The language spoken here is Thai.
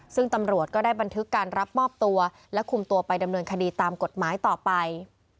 ซึ่งตำรวจก็ได้บันทึกการรับมอบตัวและคุมตัวไปดำเนินคดีตามกฎหมายต่อไป